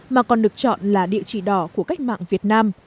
mà còn được chọn là địa chỉ đỏ của cách mạng việt nam